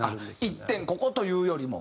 一点ここというよりも。